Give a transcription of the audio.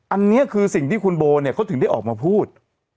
อันนี้คือสิ่งที่คุณโบเนี่ยเขาถึงได้ออกมาพูด